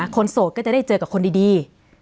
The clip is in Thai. โสดก็จะได้เจอกับคนดี